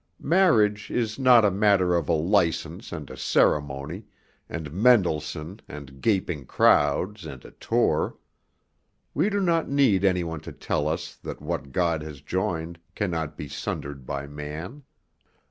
Marriage is not a matter of a license and a ceremony and Mendelssohn and gaping crowds and a tour. We do not need any one to tell us that what God has joined cannot be sundered by man.